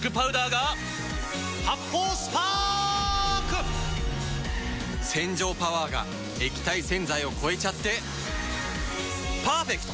発泡スパーク‼洗浄パワーが液体洗剤を超えちゃってパーフェクト！